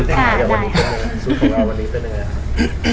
กับชุดเนียมของเราวันนี้เป็นเนื้ออ่ะ